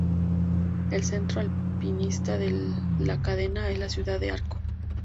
El centro alpinista de la cadena es la ciudad de Arco.